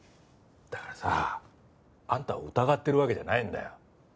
だからさああんたを疑ってるわけじゃないんだよ。